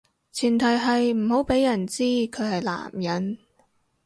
前提係唔好畀人知佢係男人